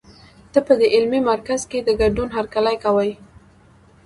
ته په دې علمي مرکز کې د ګډون هرکلی کوي.